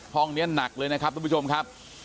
ห้องนี้หนักเลยนะครับทุกผู้ชมครับ